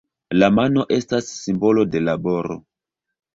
La mano estas simbolo de laboro.